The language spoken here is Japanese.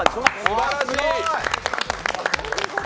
すばらしい！